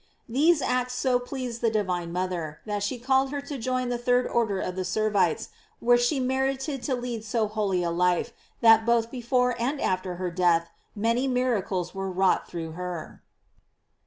These acts so pleased the divine mother, that she called her to join the third order of the Ser vites, where she merited to lead so holy a life, that both before and after her death many miracles were wrought through her.